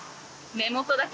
目尻だけ。